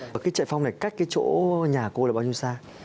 cái chạy phòng này cách cái chỗ nhà cô là bao nhiêu xa